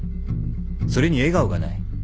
それに笑顔がない。